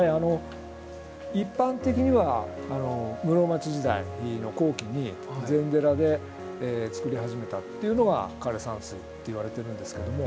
一般的には室町時代の後期に禅寺でつくり始めたっていうのが枯山水っていわれてるんですけども。